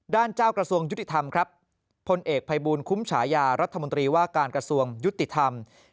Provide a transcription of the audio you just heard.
เจ้ากระทรวงยุติธรรมครับพลเอกภัยบูลคุ้มฉายารัฐมนตรีว่าการกระทรวงยุติธรรม